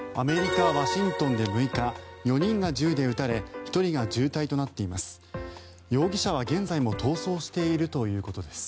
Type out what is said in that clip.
アメリカ・ワシントンで６日４人が銃で撃たれ１人が重体となっています。